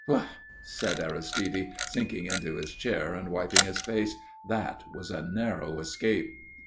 "Whew!" said Aristide, sinking into his chair and wiping his face. "That was a narrow escape."